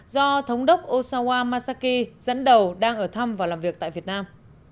do thống đốc osawa masaki dẫn đầu đang ở thăm và làm việc tại việt nam